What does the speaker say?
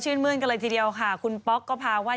มื้นกันเลยทีเดียวค่ะคุณป๊อกก็พาว่า